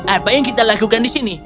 apa yang kita lakukan di sini